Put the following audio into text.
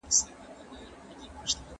له نورو سره د زړه له کومي مرسته وکړئ.